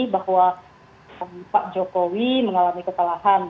bahwa pak jokowi mengalami kesalahan